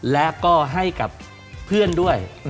และก็ให้กับเพื่อนด้วย